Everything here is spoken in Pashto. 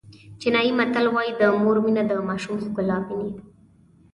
چینایي متل وایي د مور مینه د ماشوم ښکلا ویني.